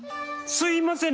すいません！